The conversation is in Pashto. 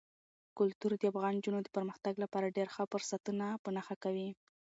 کلتور د افغان نجونو د پرمختګ لپاره ډېر ښه فرصتونه په نښه کوي.